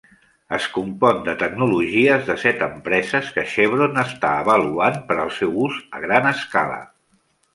Es compon de tecnologies de set empreses que Chevron està avaluant per al seu ús a gran escala.